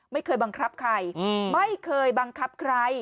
ไม่เคยบังคับใครไม่เคยบังคับใคร